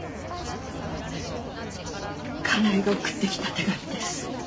叶絵が送ってきた手紙です。